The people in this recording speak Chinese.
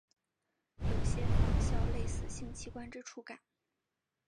有些仿效类似性器官之触感。